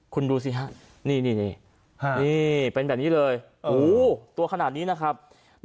คุณดูสิฮะนี่เป็นแบบนี้เลยตัวขนาดนี้นะครับ